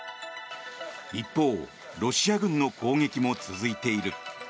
一方、ロシア軍の攻撃も続いている。